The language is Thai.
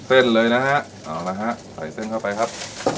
เส้นเลยนะฮะเอาละฮะใส่เส้นเข้าไปครับ